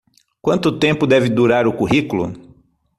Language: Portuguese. Quanto tempo deve durar o currículo?